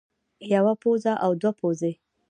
يوه پوزه او دوه پوزې